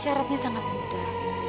syaratnya sangat mudah